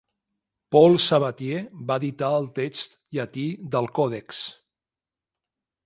Paul Sabatier va editar el text llatí del còdex.